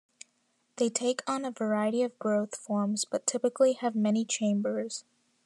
They take on a variety of growth forms but typically have many chambers.